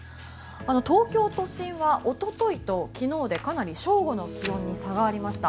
東京都心はおとといと昨日でかなり正午の気温に差がありました。